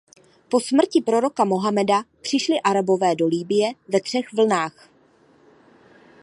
Po smrti proroka Mohameda přišli Arabové do Libye ve třech vlnách.